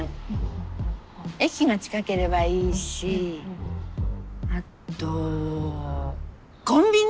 駅が近ければいいしあとコンビニ。